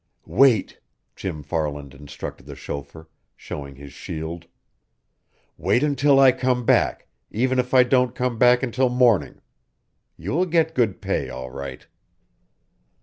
"Wait," Jim Farland instructed the chauffeur, showing his shield. "Wait until I come back, even if I don't come back until morning. You will get good pay, all right."